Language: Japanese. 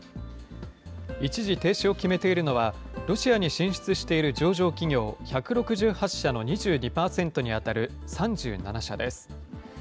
一時停止を決めているのは、ロシアに進出している上場企業１６８社の２２％に当たる３７社です。